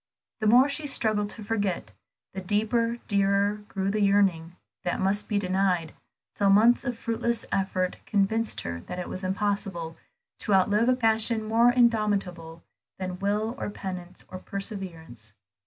The more she struggled to forget, the deeper, dearer, grew the yearning that must be denied, till months of fruitless effort convinced her that it was impossible to outlive a passion more indomitable than will, or penitence, or perseverance.